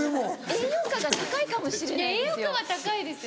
栄養価が高いかもしれないですよ。